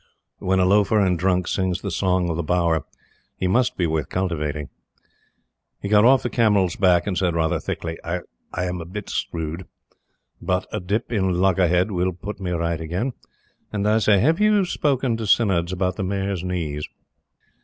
When a loafer, and drunk, sings The Song of the Bower, he must be worth cultivating. He got off the camel's back and said, rather thickly: "I I I'm a bit screwed, but a dip in Loggerhead will put me right again; and I say, have you spoken to Symonds about the mare's knees?"